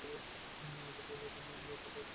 তোমরাও জেতো না, আমি তো কাউকে বারণ করিনি।